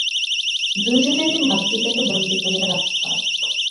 দুইজনেরই মাতাপিতাকে বন্দী করিয়া রাখা হয়।